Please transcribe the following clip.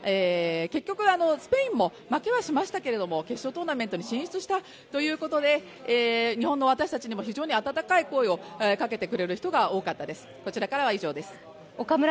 スペインも負けはしましたけれども決勝トーナメントに進出したということで日本の私たちにも非常に温かい声をかけてくれる人が多かったです。